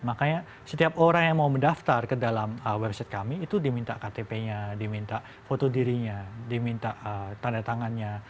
makanya setiap orang yang mau mendaftar ke dalam website kami itu diminta ktp nya diminta foto dirinya diminta tanda tangannya